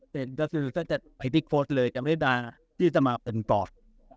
ก็จะไปติ๊กโฟสต์เลยจากเวลาที่สมาครมเป็นตอบ